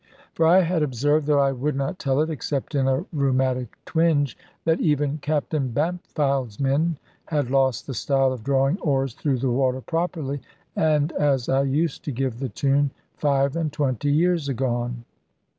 For I had observed (though I would not tell it, except in a rheumatic twinge) that even Captain Bampfylde's men had lost the style of drawing oars through the water properly, and as I used to give the tune, five and twenty years agone.